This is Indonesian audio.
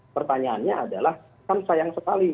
pertanyaannya adalah kan sayang sekali